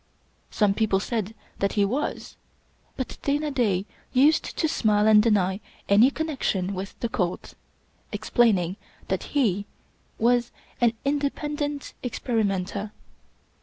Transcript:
Some people said that he was; but Dana Da used to smile and deny any connection with the cult ; ex plaining that he was an " independent experimenter.